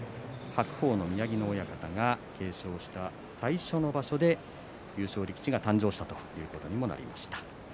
白鵬の宮城野親方が継承した最初の場所で優勝力士が誕生したということにもなります。